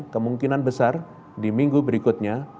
kemungkinan besar di minggu berikutnya